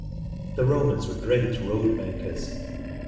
The Romans were great road makers.